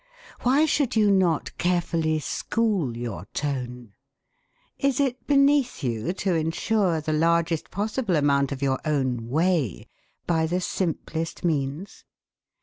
Why should you not carefully school your tone? Is it beneath you to ensure the largest possible amount of your own 'way' by the simplest means?